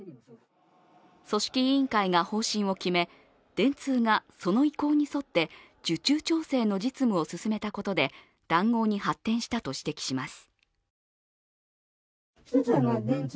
組織委員会が方針を決め、電通がその意向に沿って受注調整の実務を進めたことで談合に発展したと指摘します。